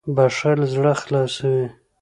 • بښل زړه خلاصوي.